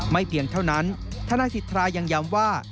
ไม่เพียงเท่านั้นท่านอาจิตรายังย้ำว่า